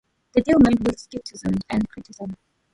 The deal met with skepticism and criticism.